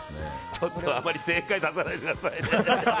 ちょっと、あまり正解を出さないでください。